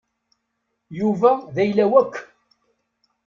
Yuba d ayla-w akk.